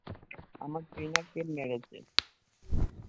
আমার ট্রেইনারকে মেরেছে!